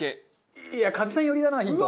いやカズさん寄りだなヒント。